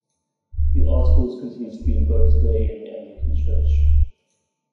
The Articles continue to be invoked today in the Anglican Church.